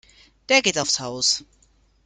Der geht aufs Haus.